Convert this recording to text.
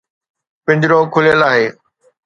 پنجرو کليل آهي.